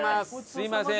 すみません。